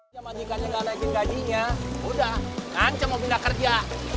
kalo majikan gak naikin gajinya udah kanca mau pindah kerja